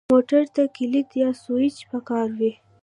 موټر ته کلید یا سوئچ پکار وي.